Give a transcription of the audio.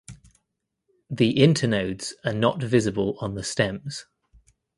The internodes are not visible on the stems.